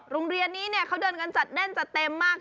รุงเรียนนี้เนี่ยเขาเดินกันจัดเด้นจะเต็มมาก